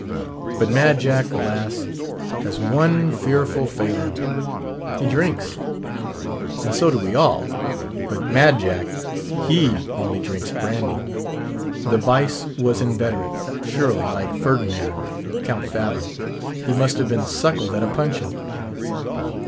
But Mad Jack, alas! has one fearful failing. He drinks. And so do we all. But Mad Jack, He only drinks brandy. The vice was inveterate; surely, like Ferdinand, Count Fathom, he must have been suckled at a puncheon.